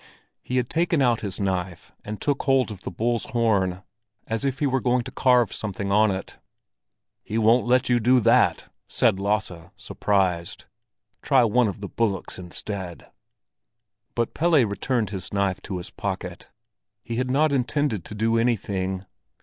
He had taken out his knife, and took hold of the bull's horn, as if he were going to carve something on it. "He won't let you do that," said Lasse, surprised. "Try one of the bullocks instead." But Pelle returned his knife to his pocket; he had not intended to do anything.